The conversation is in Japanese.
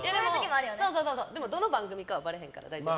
でも、どの番組かはばれへんから大丈夫。